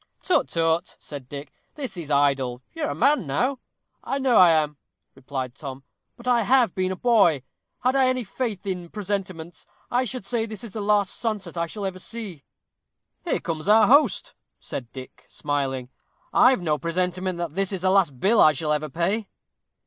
"Tut tut," said Dick, "this is idle you are a man now." "I know I am," replied Tom, "but I have been a boy. Had I any faith in presentiments, I should say this is the last sunset I shall ever see." "Here comes our host," said Dick, smiling. "I've no presentiment that this is the last bill I shall ever pay."